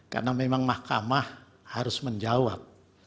karena memang mahkamah harus menjawab